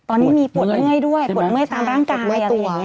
ตอนนี้มีปวดเมื่อยด้วยปวดเมื่อยตามร่างกายอะไรอย่างนี้